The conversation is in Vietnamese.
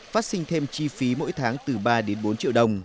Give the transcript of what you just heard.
phát sinh thêm chi phí mỗi tháng từ ba đến bốn triệu đồng